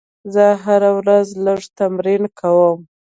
زه هره ورځ لږ تمرین کوم.